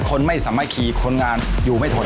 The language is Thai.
คนไม่สามารถขี่คนงานอยู่ไม่ทน